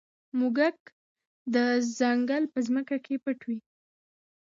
موږک د ځنګل په ځمکه کې پټ وي.